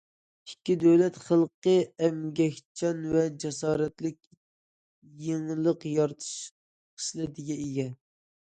ئىككى دۆلەت خەلقى ئەمگەكچان ۋە جاسارەتلىك يېڭىلىق يارىتىش خىسلىتىگە ئىگە.